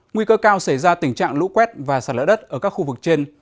nguy cơ cao xảy ra tình trạng lũ quét và sạt lỡ đất ở các khu vực trên